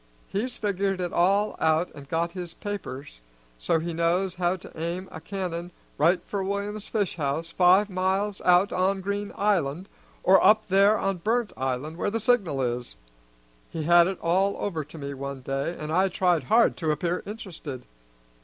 He's figured it all out an' got his papers so he knows how to aim a cannon right for William's fish house five miles out on Green Island, or up there on Burnt Island where the signal is. He had it all over to me one day, an' I tried hard to appear interested.